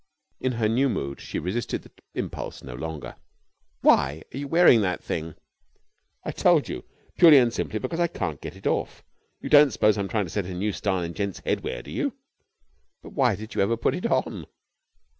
In her new mood she resisted the impulse no longer. "Why are you wearing that thing?" "I told you. Purely and simply because I can't get it off. You don't suppose I'm trying to set a new style in gents' headwear, do you?" "But why did you ever put it on?"